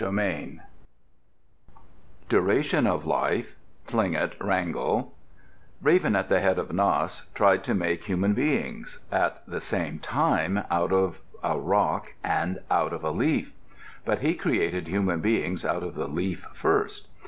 Andrews_] DURATION OF LIFE Tlingit (Wrangell) Raven at the head of Nass tried to make human beings, at the same time, out of a rock and out of a leaf. But he created human beings out of the leaf first.